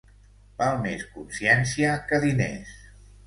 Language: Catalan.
Val més consciència que diners.